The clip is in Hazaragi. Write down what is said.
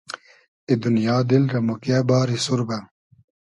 ای دونیا، دیل رۂ موگیۂ باری سوربۂ